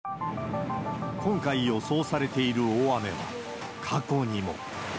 今回予想されている大雨は、過去にも。